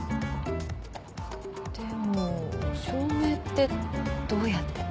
でも証明ってどうやって？